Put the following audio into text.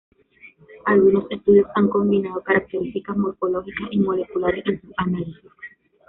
Algunos estudios han combinado características morfológicas y moleculares en sus análisis.